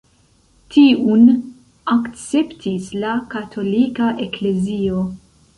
Tiun akceptis la katolika eklezio.